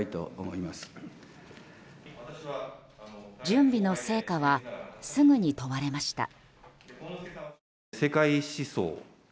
準備の成果はすぐに問われました。